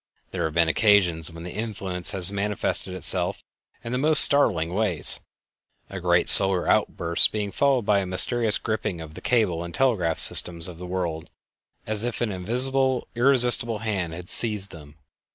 There have been occasions when the influence has manifested itself in the most startling ways, a great solar outburst being followed by a mysterious gripping of the cable and telegraph systems of the world, as if an invisible and irresistible hand had seized them.